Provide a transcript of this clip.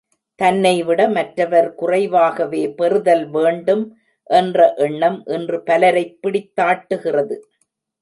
தன்னைவிட மற்றவர் குறைவாகவே பெறுதல் வேண்டும் என்ற எண்ணம் இன்று பலரைப் பிடித்தாட்டுகிறது.